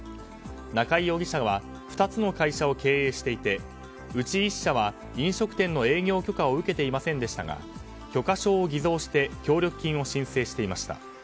中井容疑者は２つの会社を経営していてうち１社は飲食店の営業許可を受けていませんでしたが許可証を偽造して協力金を申請していました。